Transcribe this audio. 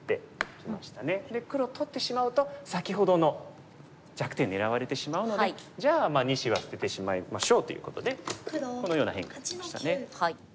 黒取ってしまうと先ほどの弱点狙われてしまうのでじゃあ２子は捨ててしまいましょうということでこのような変化になりましたね。